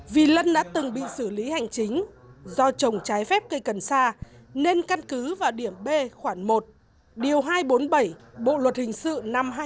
vì lân đã từng bị xử lý hành chính do trồng trái phép cây cần sa nên căn cứ vào điểm b khoảng một điều hai trăm bốn mươi bảy bộ luật hình sự năm hai nghìn một mươi năm